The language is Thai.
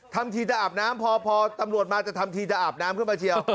ทำทีจะอาบน้ำพอตำรวจมาจะทำทีจะอาบน้ำขึ้นมาเชียว